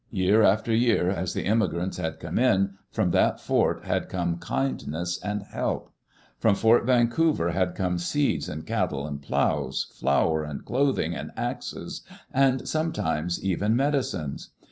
Year after year, as the immigrants had come in, from that fort had come kindness and help. From Fort Van couver had come seeds and cattle and plows, flour and clothing and axes, and sometimes even medicines.